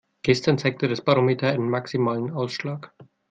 Gestern zeigte das Barometer einen maximalen Ausschlag.